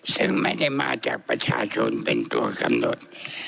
ซึ่งไม่ได้มาจากประชาชนเป็นตัวกำหนด